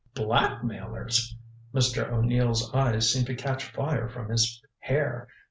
"Blackmailers!" Mr. O'Neill's eyes seemed to catch fire from his hair.